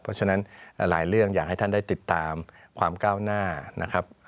เพราะฉะนั้นหลายเรื่องอยากให้ท่านได้ติดตามความก้าวหน้านะครับ